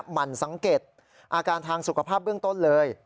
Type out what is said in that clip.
หั่นสังเกตอาการทางสุขภาพเบื้องต้นเลย